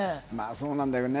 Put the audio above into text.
そうなんだよね。